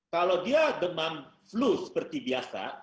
kalau dia demam flu seperti biasa